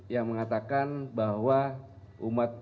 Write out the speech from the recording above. yang mengatakan bahwa umat